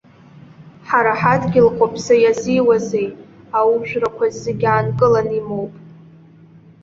Ҳара ҳадгьыл хәаԥса иазиуазеи, аужәрақәа зегь аанкылан имоуп!